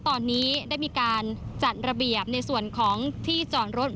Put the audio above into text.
ตอนนี้ได้มีการจัดระเบียบในส่วนของที่จอดรถ